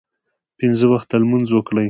پنځه وخته لمونځ وکړئ